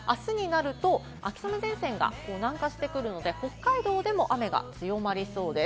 あすになると秋雨前線が南下してくるので、北海道でも雨が強まりそうです。